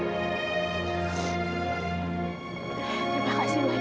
selalu ingin jawab kepada bapak yang bersyukur